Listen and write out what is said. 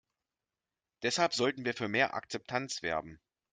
Deshalb sollten wir für mehr Akzeptanz werben.